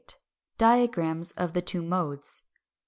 Diagrams of the two modes.